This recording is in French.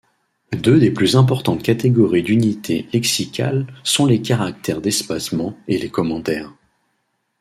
Deux des plus importantes catégories d'unités lexicales sont les caractères d'espacement et les commentaires.